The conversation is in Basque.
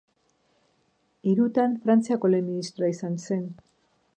Hirutan Frantziako lehen ministroa izan zen.